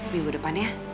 minggu depan ya